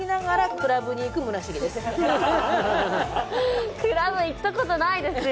クラブ行ったことないですよ。